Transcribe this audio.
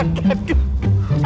aduh aduh aduh